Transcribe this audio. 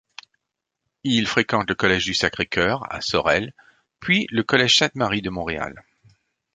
Il fréquente le collège du Sacré-Cœur, à Sorel, puis le Collège Sainte-Marie de Montréal.